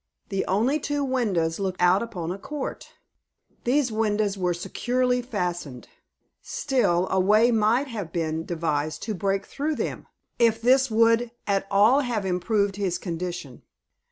The only two windows looked out upon a court. These windows were securely fastened. Still a way might have been devised to break through them, if this would at all have improved his condition.